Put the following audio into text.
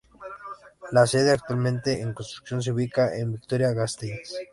La sede, actualmente en construcción, se ubica en Vitoria-Gasteiz.